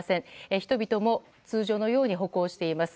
人々も通常のように歩行しています。